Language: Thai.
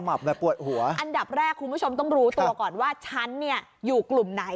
อันดับแรกคุณผู้ชมต้องรู้ตัวก่อนว่าฉันอยู่กลุ่มไหน